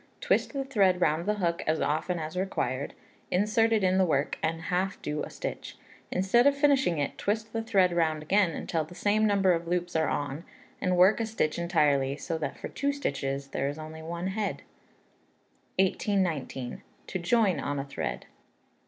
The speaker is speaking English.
Twist the thread round the hook as often as required, insert it in the work, and half do a stitch. Instead of finishing it, twist the thread round again, until the same number of loops are on, and work a stitch entirely; so that, for two stitches, there is only one head. 1819. To Join on a Thread.